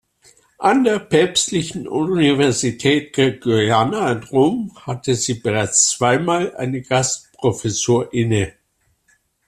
An der Päpstlichen Universität Gregoriana in Rom hatte sie bereits zweimal eine Gastprofessur inne.